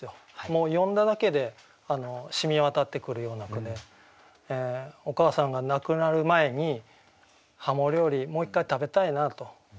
もう読んだだけでしみわたってくるような句でお母さんが亡くなる前に鱧料理もう一回食べたいなと。